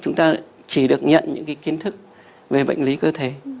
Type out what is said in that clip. chúng ta chỉ được nhận những kiến thức về bệnh lý cơ thể